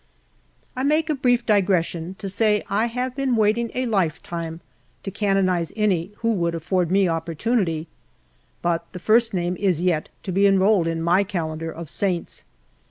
I make a brief digression to say I have been waiting a life time to canonize any who would afford me opportunity, but the lirst name is yet to be enrolled in my calendar of saints.